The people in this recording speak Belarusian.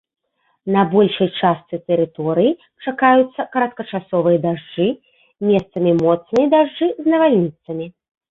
На большай частцы тэрыторыі чакаюцца кароткачасовыя дажджы, месцамі моцныя дажджы з навальніцамі.